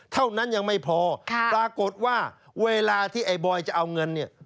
เท่านั้นยังไม่พอปรากฏว่าเวลาที่ไอ้บอยจะเอาเงินเนี่ย